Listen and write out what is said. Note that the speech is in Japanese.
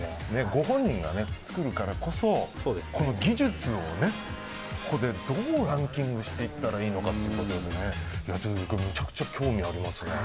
ご本人が作るからこそこの技術をね、ここでどうランキングしていったらいいのかということでめちゃくちゃ興味ありますね。